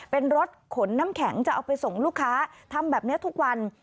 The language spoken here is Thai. เป็นรถขนน้ำแข็งจะเอาไปส่งลูกค้าทำแบบนี้ทุกวัน